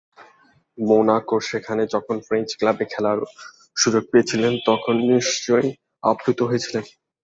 মোনাকোর সঙ্গে যখন ফ্রেঞ্চ ক্লাবে খেলার সুযোগ পেয়েছিলেন, তখন নিশ্চয়ই আপ্লুত হয়েছিলেন।